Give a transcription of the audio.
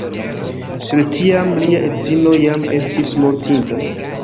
Sed tiam lia edzino jam estis mortinta.